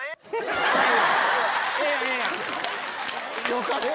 よかった！